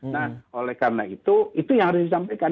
nah oleh karena itu itu yang harus disampaikan